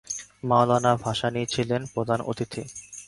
মওলানা ভাসানী ছিলেন প্রধান অতিথি।